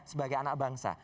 sebagai anak bangsa